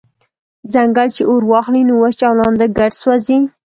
« ځنګل چی اور واخلی نو وچ او لانده ګډ سوځوي»